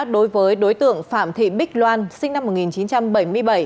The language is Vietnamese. đối với đối tượng phạm thị bích loan sinh năm một nghìn chín trăm bảy mươi bảy